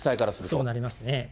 そうなりますね。